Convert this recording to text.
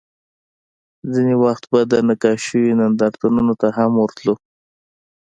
ځینې وخت به د نقاشیو نندارتونونو ته هم ورتلو